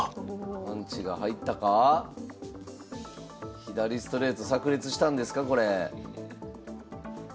パンチが入ったか⁉左ストレートさく裂したんですかこれ。